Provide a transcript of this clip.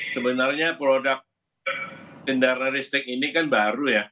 sebenarnya produk kendaraan listrik ini kan baru ya